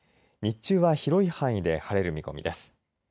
日中は広い範囲で晴れる見込みです。